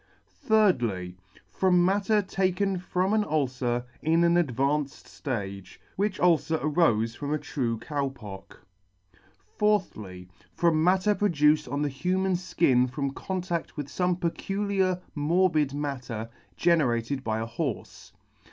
3dly. From matter taken from an ulcer in an advanced ftage, which ulcer arofe from a true Cow Pock. 4thly. C 73 ] qthly. From matter produced on the human {kin from contadl with fome peculiar morbid matter generated by a horfe.